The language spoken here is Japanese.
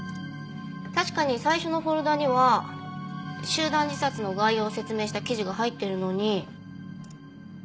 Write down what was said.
確かに最初のフォルダには集団自殺の概要を説明した記事が入ってるのに。